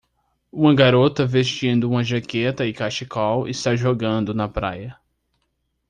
Uma garota vestindo uma jaqueta e cachecol está jogando na praia.